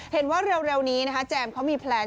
เห็นว่าเร็วนี้นะคะแจมเขามีแพลน